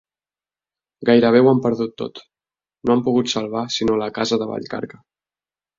Gairebé ho han perdut tot: no han pogut salvar sinó la casa de Vallcarca.